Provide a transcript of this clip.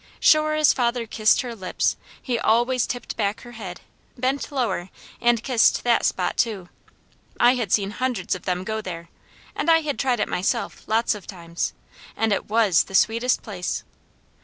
Sure as father kissed her lips, he always tipped back her head, bent lower and kissed that spot too. I had seen hundreds of them go there, and I had tried it myself, lots of times, and it WAS the sweetest place.